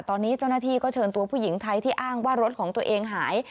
ตอนนี้เจ้าหน้าที่ก็เชิญตัวผู้หญิงไทยที่อ้างว่ารถของตัวเองหาย